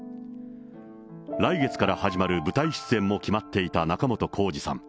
来月から始まる舞台出演も決まっていた仲本工事さん。